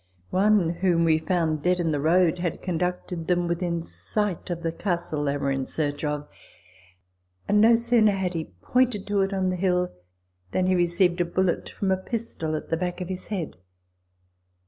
One, whom we found dead in the road, had conducted them within sight of the Castle they were in search of ; and no sooner had he pointed to it on the hill than he received a bullet from a pistol at the back of his head.